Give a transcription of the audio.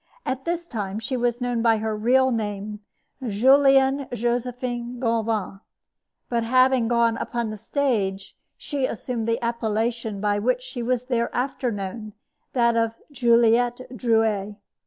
At this time she was known by her real name Julienne Josephine Gauvin; but having gone upon the stage, she assumed the appellation by which she was thereafter known, that of Juliette Drouet.